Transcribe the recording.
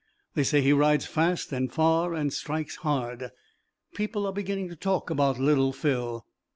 They say he rides fast and far and strikes hard. People are beginning to talk about Little Phil.